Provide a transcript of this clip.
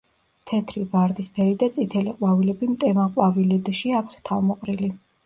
თეთრი, ვარდისფერი და წითელი ყვავილები მტევან ყვავილედში აქვთ თავმოყრილი.